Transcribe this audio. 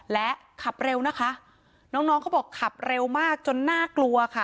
และขับเร็วนะคะน้องน้องเขาบอกขับเร็วมากจนน่ากลัวค่ะ